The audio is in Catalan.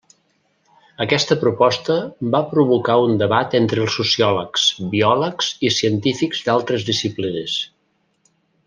Aquesta proposta va provocar un debat entre sociòlegs, biòlegs i científics d'altres disciplines.